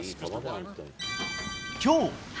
きょう。